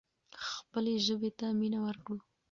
خپلې ژبې ته مینه ورکړو.